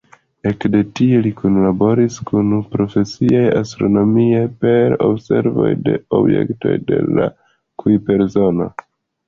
Ekde tie li kunlaboris kun profesiaj astronomoj per observoj de objektoj de la Kujper-zono.